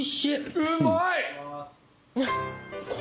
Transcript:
うまい！